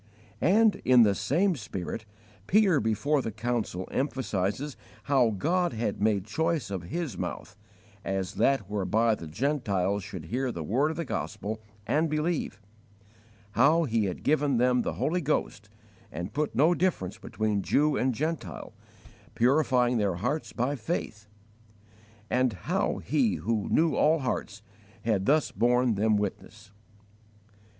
And, in the same spirit, Peter before the council emphasizes how God had made choice of his mouth, as that whereby the Gentiles should hear the word of the Gospel and believe; how He had given them the Holy Ghost and put no difference between Jew and Gentile, purifying their hearts by faith; and how He who knew all hearts had thus borne them witness.